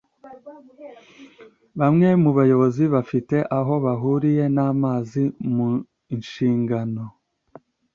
Bamwe mu bayobozi bafite aho bahuriye n’amazi mu nshingano